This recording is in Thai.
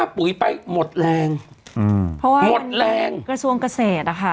ปุ๋ยไปหมดแรงอืมหมดแรงกระทรวงเกษตรค่ะ